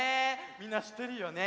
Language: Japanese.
みんなしってるよね？